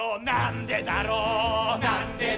「なんでだろう」